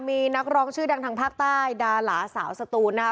มีนักร้องชื่อดังทางภาคใต้ดาราสาวสตูนนะคะ